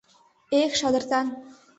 Эх, шадыртан!